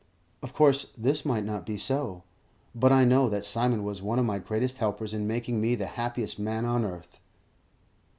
Of course this might not be so; but I know that Simon was one of my greatest helpers in making me the happiest man on earth.